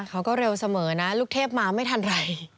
เขาก็เร็วเสมอนะลูกเทพมาไม่ทันไร